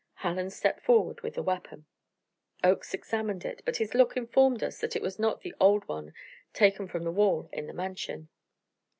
Hallen stepped forward with the weapon. Oakes examined it; but his look informed us that it was not the old one taken from the wall in the Mansion.